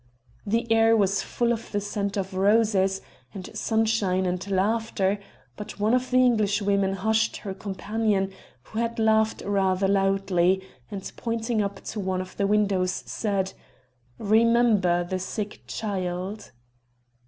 The air was full of the scent of roses, and sunshine, and laughter; but one of the Englishwomen hushed her companion who had laughed rather loudly and pointing up to one of the windows said: "Remember the sick child."